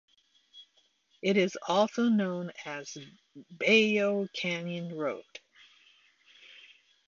It is also known as Bayo Canyon Road.